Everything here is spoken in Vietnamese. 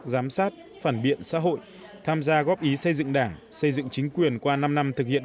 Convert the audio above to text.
giám sát phản biện xã hội tham gia góp ý xây dựng đảng xây dựng chính quyền qua năm năm thực hiện